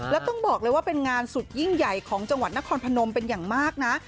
แล้วต้องบอกเลยว่าเป็นงานสุดยิ่งใหญ่ของจังหวัดนครพนมเป็นอย่างมากนะ